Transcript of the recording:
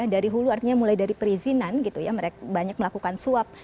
dari hulu artinya mulai dari perizinan gitu ya mereka banyak melakukan suap